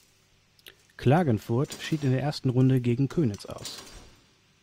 Klagenfurt schied in der ersten Runde gegen Köniz aus.